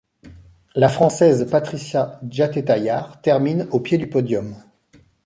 La Française Patricia Djaté-Taillard termine au pied du podium.